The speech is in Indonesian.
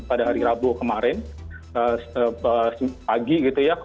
pada hari rabu kemarin pagi gitu ya